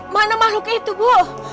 mana makhluknya itu bu